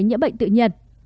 những bệnh tự nhận